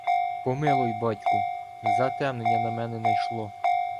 — Помилуй, батьку! Затемнення на мене найшло.